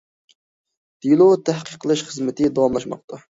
دېلو تەھقىقلەش خىزمىتى داۋاملاشماقتا.